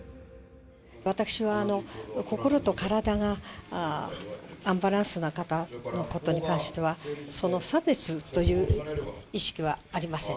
私は、心と体がアンバランスな方のことに関しては、その差別という意識はありません。